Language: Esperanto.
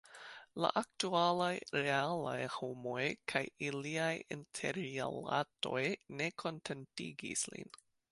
La aktualaj, realaj homoj kaj iliaj interrilatoj ne kontentigis lin.